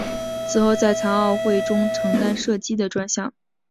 此后在残奥会中承担射击的专项。